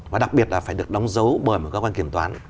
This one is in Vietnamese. và đặc biệt là phải được đóng dấu bởi một cơ quan kiểm toán